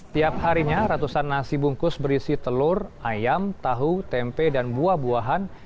tiap harinya ratusan nasi bungkus berisi telur ayam tahu tempe dan buah buahan